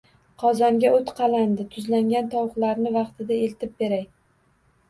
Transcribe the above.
– Qozonga o‘t qalandi, tuzlangan tovuqlarni vaqtida eltib beray